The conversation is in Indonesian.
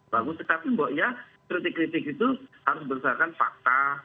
bagus tetapi mboknya kritik kritik itu harus berdasarkan fakta